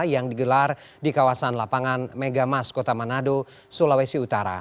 yang digelar di kawasan lapangan megamas kota manado sulawesi utara